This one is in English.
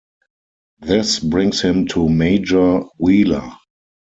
This brings him to Major Wheeler.